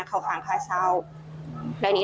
เจ้าของห้องเช่าโพสต์คลิปนี้